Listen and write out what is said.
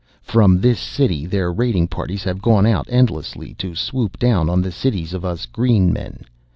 "From this city their raiding parties have gone out endlessly to swoop down on the cities of us green men.